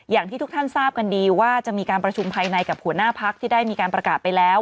อย่างที่ทุกท่านทราบกันดีว่าจะมีการประชุมภายในกับหัวหน้าพักที่ได้มีการประกาศไปแล้ว